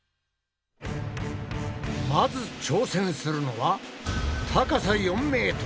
まず挑戦するのは高さ４ｍ。